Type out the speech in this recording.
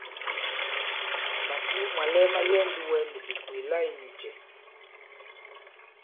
Màkòo mwàlɛ ma yɛɛ ndi wɛ nì bìkwèè la inyūcɛ̄?